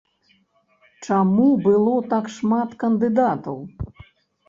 Чаму было так шмат кандыдатаў?